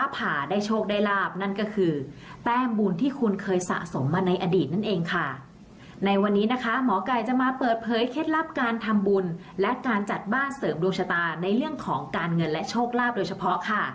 เผยเคล็ดลับการทำบุญและการจัดบ้านเสริมดวงชะตาในเรื่องของการเงินและโชคลาภโดยเฉพาะค่ะ